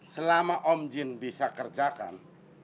selama om jin bisa kerjakan